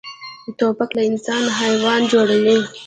توپک له انسان حیوان جوړوي.